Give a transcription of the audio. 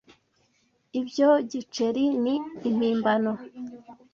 Ibyo giceri ni impimbano.